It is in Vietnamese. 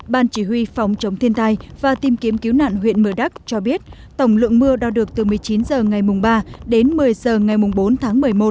bàn chỉ huy phòng chống thiên tài và tìm kiếm cứu nạn huyện mơ đắc cho biết tổng lượng mưa đo được từ một mươi chín h ngày mùng ba đến một mươi h ngày mùng bốn tháng một mươi một